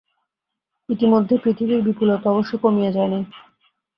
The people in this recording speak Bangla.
ইতিমধ্যে পৃথিবীর বিপুলতা অবশ্য কমিয়া যায় নাই।